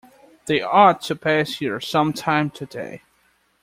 They ought to pass here some time today.